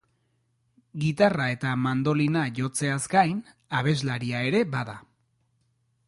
Gitarra eta mandolina jotzeaz gain, abeslaria ere bada.